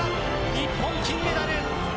日本、金メダル！